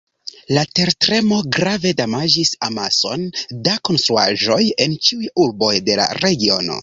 La tertremo grave damaĝis amason da konstruaĵoj en ĉiuj urboj de la regiono.